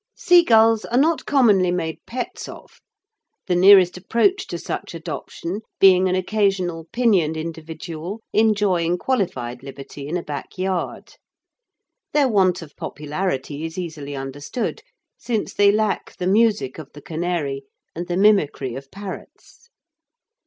Seagulls are not commonly made pets of, the nearest approach to such adoption being an occasional pinioned individual enjoying qualified liberty in a backyard. Their want of popularity is easily understood, since they lack the music of the canary and the mimicry of parrots.